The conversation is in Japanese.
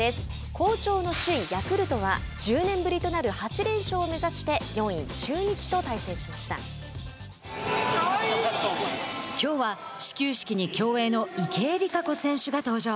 好調の首位ヤクルトは１０年ぶりとなる８連勝を目指してきょうは始球式に競泳の池江璃花子選手が登場。